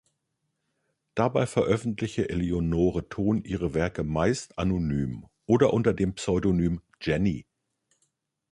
Dabei veröffentlichte Eleonore Thon ihre Werke meist anonym oder unter dem Pseudonym „Jenny“.